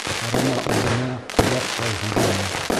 Ҡарама үҙенә, ҡолаҡ һал һүҙенә.